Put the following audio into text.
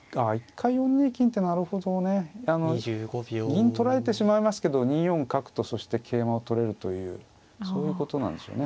銀取られてしまいますけど２四角とそして桂馬を取れるというそういうことなんでしょうね。